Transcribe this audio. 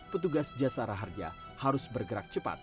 petugas jasa raharja harus bergerak cepat